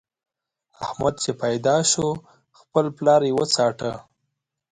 احمد چې پيدا شو؛ خپل پلار يې وڅاټه.